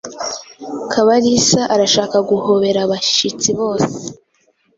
Kabalisa arashaka guhobera abashitsi bose